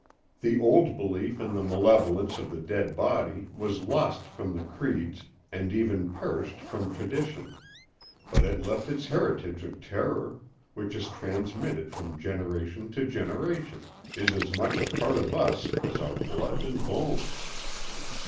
The old belief in the malevolence of the dead body was lost from the creeds and even perished from tradition, but it left its heritage of terror, which is transmitted from generation to generation—is as much a part of us as are our blood and bones."